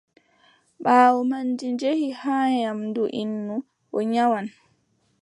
Ɓaawo man, ɗi njehi haa nyaamdu innu, o nyawan.